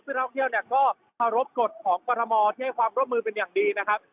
ทุกผู้เท้าเที่ยวเนี่ยก็ภารกฏของประธมที่ให้ความร่บมือเป็นอย่างดีนะครับ